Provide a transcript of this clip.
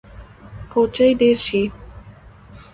کوچي ډیر شي